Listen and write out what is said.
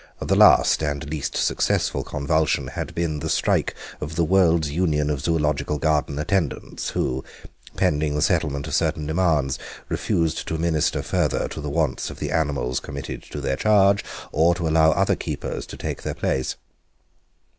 The last and least successful convulsion had been the strike of the World's Union of Zoological Garden attendants, who, pending the settlement of certain demands, refused to minister further to the wants of the animals committed to their charge or to allow any other keepers to take their place.